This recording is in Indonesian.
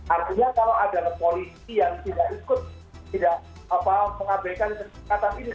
artinya kalau ada polisi yang tidak mengabaikan kesepakatan ini